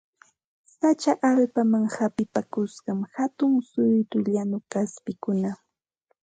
Sacha allpaman hapipakusqan hatun suytu llañu kaspikuna